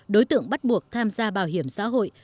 đối tượng bắt buộc tham gia bảo hiểm xã hội